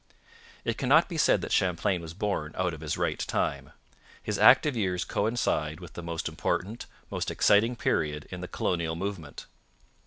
It cannot be said that Champlain was born out of his right time. His active years coincide with the most important, most exciting period in the colonial movement.